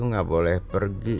enggak boleh pergi